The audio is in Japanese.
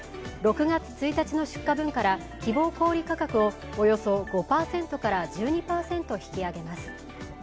６月１日の出荷分から希望小売価格をおよそ５％から１２％引き上げます。